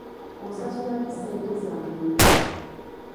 Onsasula ddi ssente zange?